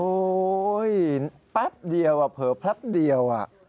โอ้ยแป๊บเดียวแป๊บเดียว